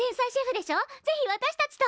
ぜひ私たちと。